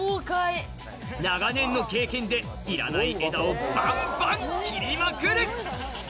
長年の経験でいらない枝をバンバン切りまくる！